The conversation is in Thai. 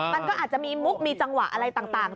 มันก็อาจจะมีมุกมีจังหวะอะไรต่าง